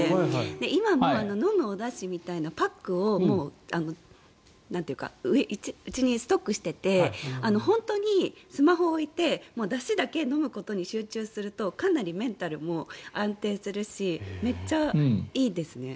今も飲むおだしみたいなパックをうちにストックしていて本当にスマホを置いてだしだけ飲むことに集中するとかなりメンタルも安定するしめっちゃいいですね。